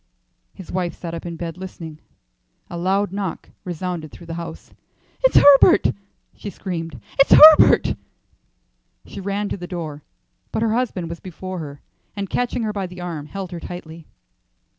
His wife sat up in bed listening. A loud knock resounded through the house. "It's Herbert!" she screamed. "It's Herbert!" She ran to the door, but her husband was before her, and catching her by the arm, held her tightly.